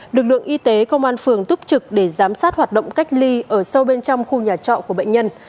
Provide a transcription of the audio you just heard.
lực lượng y tế công an phường túc trực để giám sát hoạt động cách ly ở sâu bên trong khu nhà trọ của bệnh nhân